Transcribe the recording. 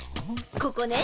ここね。